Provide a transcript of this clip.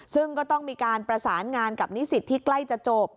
ซึ่งก็ต้องมีการประสานงานกับนิสิตที่ใกล้จะจบ